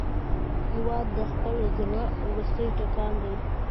هېواد د خپل زړه وروستی ټکان دی.